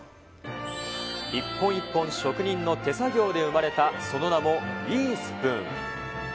一本一本、職人の手作業で生まれた、その名も、いいスプーン。